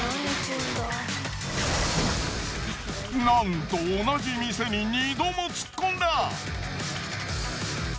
なんと同じ店に２度も突っ込んだ。